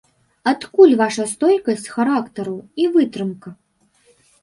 Адкуль ваша стойкасць характару і вытрымка?